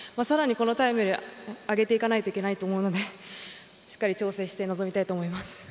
このタイムより上げていかないといけないと思うのでしっかり調整して臨みたいと思います。